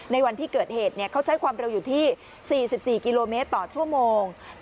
ในวันที่เกิดเหตุเขาใช้ความเร็วอยู่ที่๔๔กิโลเมตรต่อชั่วโมง